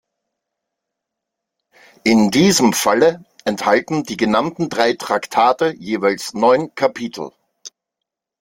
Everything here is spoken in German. In diesem Falle enthalten die genannte drei Traktate jeweils neun Kapitel.